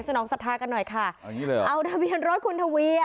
นองศรัทธากันหน่อยค่ะเอางี้เลยเหรอเอาทะเบียนรถคุณทวีอ่ะ